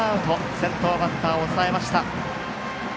先頭バッター、抑えました。